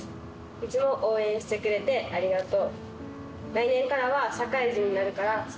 いつも応援してくれてありがとう。